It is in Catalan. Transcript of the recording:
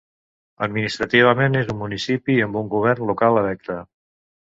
Administrativament és un municipi amb un govern local electe.